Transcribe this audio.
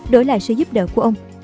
đổi lại sự giúp đỡ của ông